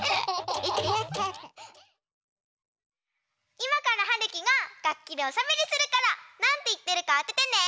いまからはるきががっきでおしゃべりするからなんていってるかあててね。